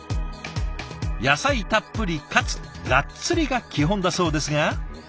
野菜たっぷりかつガッツリが基本だそうですが。